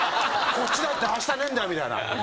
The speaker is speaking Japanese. こっちだってあしたねえんだよみたいな。